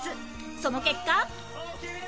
その結果